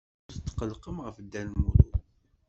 Ur tqellqen ɣef Dda Lmulud.